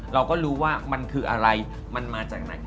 เราก็รู้ว่ามันคืออะไรมันมาจากไหน